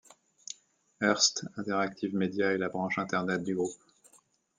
Hearst Interactive Media est la branche Internet du groupe.